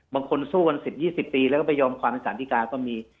บางคนสู้กัน๑๐๒๐ปีแล้วก็ไปยอมความสันติกาก็มี